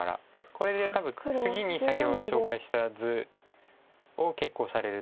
これで多分次に先ほど紹介した図を決行されると。